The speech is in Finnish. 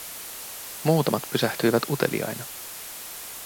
Muutamat pysähtyivät uteliaina.